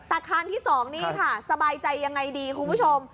อาคารที่๒นี่ค่ะสบายใจยังไงดีคุณผู้ชม